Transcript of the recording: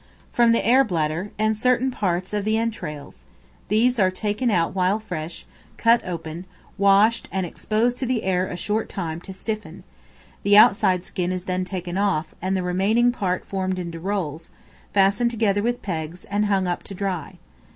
From the air bladder, and certain parts of the entrails; these are taken out while fresh, cut open, washed, and exposed to the air a short time to stiffen; the outside skin is then taken off, and the remaining part formed into rolls, fastened together with pegs, and hung up to dry.